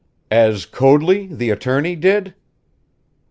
"As Coadley, the attorney, did?"